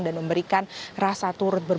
dan memberikan rasa turut